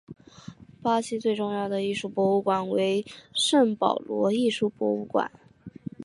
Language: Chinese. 巴西最重要的艺术博物馆为圣保罗艺术博物馆。